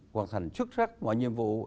hoàn thành xuất sắc mọi nhiệm vụ